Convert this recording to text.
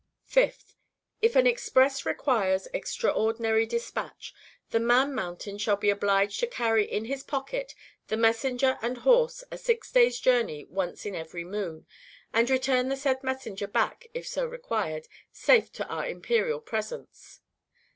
5th. If an express requires extraordinary dispatch, the Man Mountain shall be obliged to carry in his pocket the messenger and horse a six days' journey once in every moon, and return the said messenger back (if so required) safe to our imperial presence.